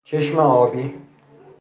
چشم آبی